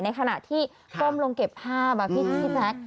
ในขณะที่ก้มลงเก็บภาพพี่พี่แพทย์